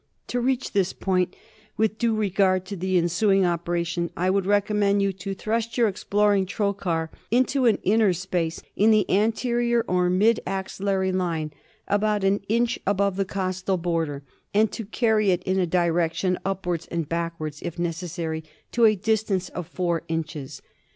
To reach this point, and with due regard to the ensuing operation, I would recommend you to thrust your exploring trocar into an interspace in the anterior or mid axillary line about an inch above the costal border, and to carry it in a direction upwards and backwards, if necessary to a distance of four inches.